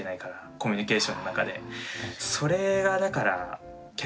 コミュニケーションの中で。